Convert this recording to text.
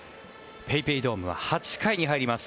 ＰａｙＰａｙドームは８回に入ります。